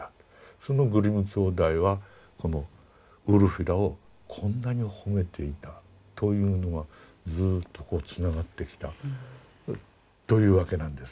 そのグリム兄弟はこのウルフィラをこんなに褒めていたというのはずっとこうつながってきたというわけなんです。